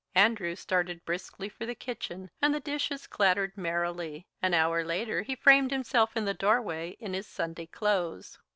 Andrew started briskly for the kitchen, and the dishes clattered merrily. An hour later he framed himself in the doorway in his Sunday clothes.